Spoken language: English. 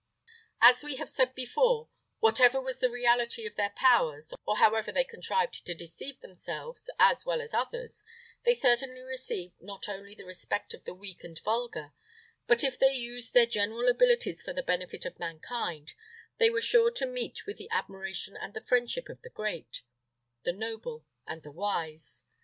As we have said before, whatever was the reality of their powers, or however they contrived to deceive themselves, as well as others, they certainly received not only the respect of the weak and vulgar; but if they used their general abilities for the benefit of mankind, they were sure to meet with the admiration and the friendship of the great, the noble, and the wise.